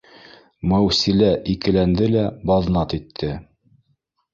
Мәүсилә икеләнде лә баҙнат итте: